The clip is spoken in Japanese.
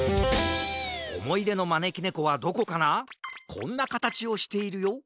こんなかたちをしているよ